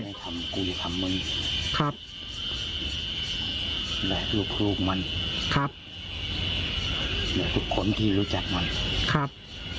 ทำกูทำมึงครับและลูกลูกมันครับและทุกคนที่รู้จักมันครับ